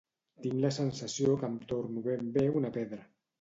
Tinc la sensació que em torno ben bé una pedra.